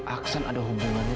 aksan ada hubungannya